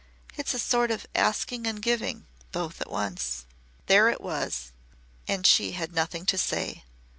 It's a sort of asking and giving both at once." There it was! And she had nothing to say.